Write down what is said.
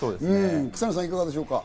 草野さん、いかがですか？